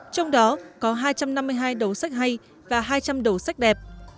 trong đó có hai trăm năm mươi hai đầu sách hay và hai trăm linh đầu sách đẹp